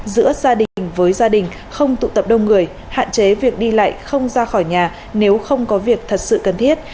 giữa gia đình với gia đình không tụ tập đông người hạn chế việc đi lại không ra khỏi nhà nếu không có việc thật sự cần thiết